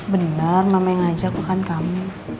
bener mama yang ngajak makan kamu